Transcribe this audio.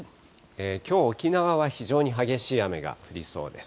きょう、沖縄は非常に激しい雨が降りそうです。